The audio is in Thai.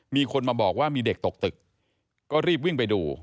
มีคนมาบอกว่ามีเด็กตกตึกก็รีบวิ่งไปดู